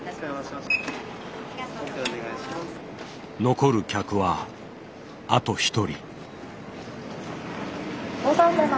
残る客はあと１人。